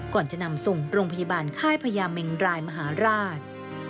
ก่อนจะนำส่งโรงพยาบาลค่ายพญาเมงรายมหาราช